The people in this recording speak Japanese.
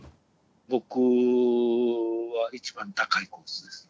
僕はいちばん高いコースです。